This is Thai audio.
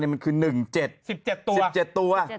มันคือ๑๗ตัว